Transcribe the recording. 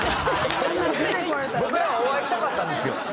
僕らはお会いしたかったんですよ。